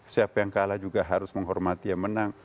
siapa yang kalah juga harus menghormati yang menang